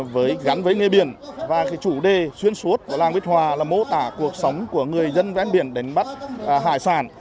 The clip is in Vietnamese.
với gắn với nghe biển và cái chủ đề xuyên suốt của làng biển là mô tả cuộc sống của người dân vẽn biển đến bắt hải sản